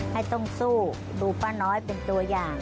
ให้ต้องสู้ดูป้าน้อยเป็นตัวอย่าง